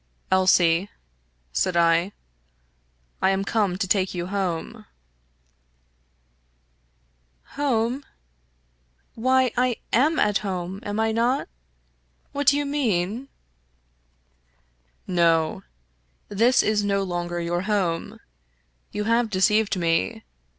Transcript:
" Elsie," said I, " I am come to take you home." " Home ? Why, I am at home, am I not ? What do you mean ?"" No. This is no longer your home. You have de ceived me.